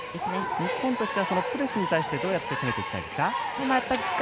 日本としてはプレスに対してどうやって攻めていきたいですか？